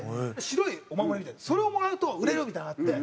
白いお守りみたいなそれをもらうと売れるみたいなのがあって。